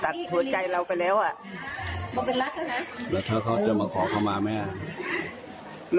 ตัดหัวใจเราไปแล้วอ่ะโปรดเป็นรักษณะแล้วถ้าเขาจะมาขอเข้ามาไหมอ่ะ